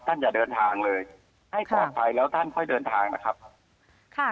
อย่าเดินทางเลยให้ปลอดภัยแล้วท่านค่อยเดินทางนะครับค่ะ